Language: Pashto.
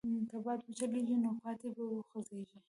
که باد وچلېږي، نو پاڼې به وخوځېږي.